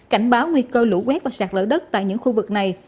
cảnh báo nguy cơ lũ quét và sạt lở đất tại những khu vực này